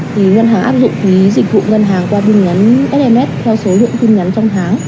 thì ngân hàng áp dụng phí dịch vụ ngân hàng qua tin nhắn sms theo số lượng tin nhắn trong tháng